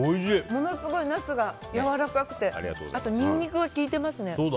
ものすごいナスがやわらかくてあと、ニンニクが効いてますね。